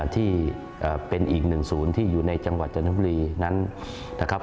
ที่เป็นอีกหนึ่งศูนย์ที่อยู่ในจังหวัดจันทรัพย์บรี